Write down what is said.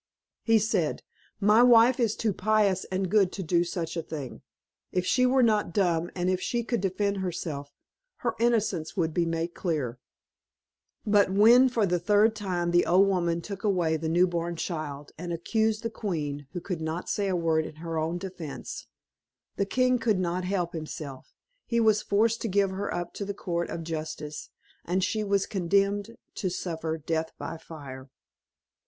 He said, "My wife is too pious and good to do such a thing; if she were not dumb, and if she could defend herself, her innocence would be made clear." But when for the third time the old woman took away the new born child, and accused the queen, who could not say a word in her own defence, the king could not help himself; he was forced to give her up to the court of justice, and she was condemned to suffer death by fire.